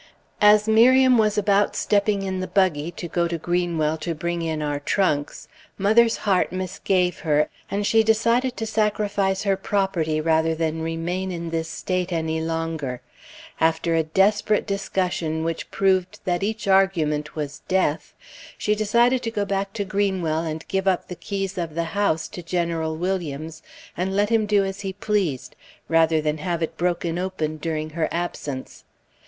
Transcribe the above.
As Miriam was about stepping in the buggy, to go to Greenwell to bring in our trunks, mother's heart misgave her, and she decided to sacrifice her property rather than remain in this state any longer. After a desperate discussion which proved that each argument was death, she decided to go back to Greenwell and give up the keys of the house to General Williams, and let him do as he pleased, rather than have it broken open during her absence.